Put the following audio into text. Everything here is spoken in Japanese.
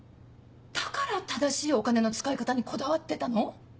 だから正しいお金の使い方にこだわってたの？